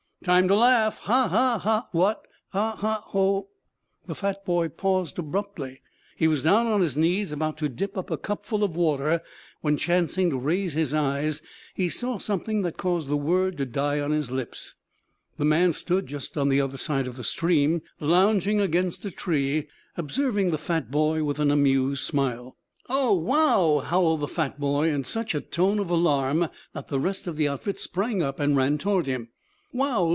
"Time to laugh. Ha, ha! What! Ha, ha; ho, h " The fat boy paused abruptly. He was down on his knees about to dip up a cupful of water when chancing to raise his eyes he saw something that caused the word to die on his lips. A man stood just on the other side of the stream, lounging against a tree, observing the fat boy with an amused smile. "Oh, wow!" howled the fat boy, in such a tone of alarm that the rest of the outfit sprang up and ran toward him. "Wow!